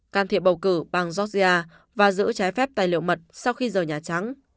can thiệp bầu cử bang georgia và giữ trái phép tài liệu mật sau khi rời nhà trắng